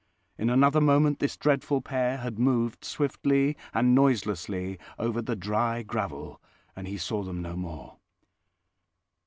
In another moment this dreadful pair had moved swiftly and noiselessly over the dry gravel, and he saw them no more.